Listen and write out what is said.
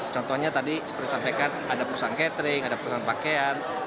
contohnya tadi seperti disampaikan ada perusahaan catering ada perusahaan pakaian